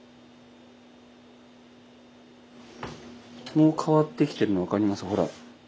もう変わってきてるの分かります？